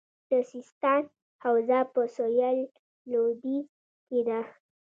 د سیستان حوزه په سویل لویدیځ کې ده